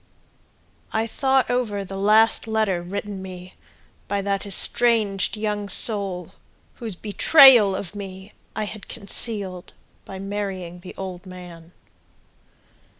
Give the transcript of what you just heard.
I thought over the last letter written me By that estranged young soul Whose betrayal of me I had concealed By marrying the old man.